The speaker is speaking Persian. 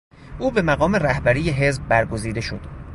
او به مقام رهبری حزب برگزیده شد.